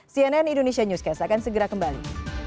cnn indonesia newscast akan segera kembali